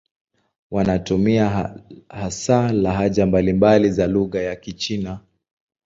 Wanatumia hasa lahaja mbalimbali za lugha ya Kichina.